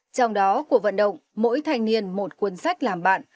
trong đó cuộc vận động mỗi thanh niên một cuốn sách làm bạn